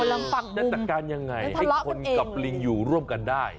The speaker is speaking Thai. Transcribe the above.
เออนั่นแต่การยังไงให้คนกับลิงอยู่ร่วมกันได้